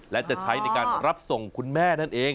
และจะใช้ในการรับส่งคุณแม่นั่นเอง